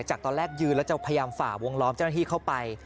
จากตอนแรกยืนแล้วจะพยายามฝ่าวงล้อมเจ้าหน้าที่เข้าไป